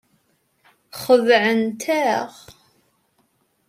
Xedɛent-aɣ.